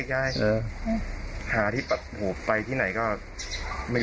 คิดอย่างนี้ไม่ได้คิดอะไร